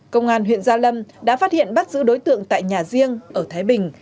công an huyện gia lâm đã phát hiện bắt giữ đối tượng tại nhà riêng ở thái bình